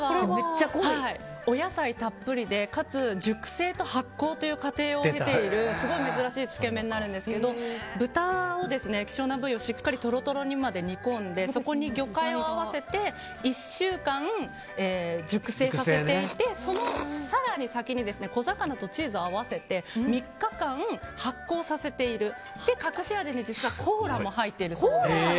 お野菜たっぷりでかつ熟成と発酵という過程を経ているすごい珍しいつけ麺なんですが豚の希少な部位をしっかりトロトロに煮込んでそこに魚介を合わせて１週間、熟成させていて更に先に小魚とチーズを合わせて３日間発酵させている隠し味にコーラも入っているそうです。